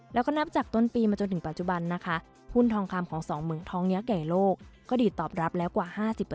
และนับจากต้นปีมาจนถึงปัจจุบันหุ้นทองคำของสองหมึกทองยาแก่โลกก็ดีดตอบรับแล้วกว่า๕๐